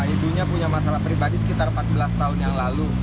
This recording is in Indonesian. ibunya punya masalah pribadi sekitar empat belas tahun yang lalu